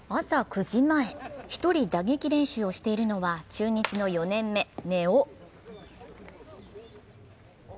朝９時前、１人、打撃練習をしているのは中日の４年目、根尾。